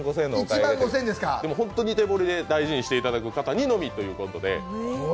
本当に手彫りで大事にしていただく方にのみということで。